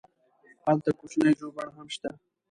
هلته کوچنی ژوبڼ هم شته.